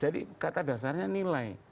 jadi kata dasarnya nilai